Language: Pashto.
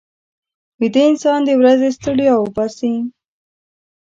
ویده انسان د ورځې ستړیا وباسي